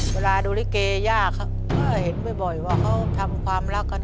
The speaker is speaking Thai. เวลาดูลิเกย่าเขาก็เห็นบ่อยว่าเขาทำความรักกัน